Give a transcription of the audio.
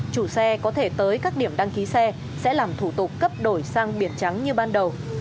chủ xe có thể tới các điểm đăng ký xe sẽ làm thủ tục cấp đổi sang biệt trắng như ban đầu